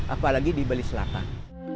apalagi di bali selatan